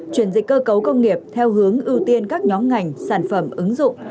chuyển dịch cơ cấu công nghiệp theo hướng ưu tiên các nhóm ngành sản phẩm ứng dụng